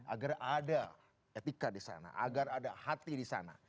agar ada etika di sana agar ada hati di sana